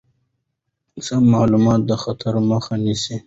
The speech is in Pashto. سم معلومات د خطر مخه نیسي.